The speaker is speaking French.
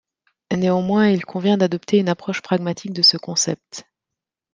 Néanmoins il convient d’adopter une approche pragmatique de ce concept.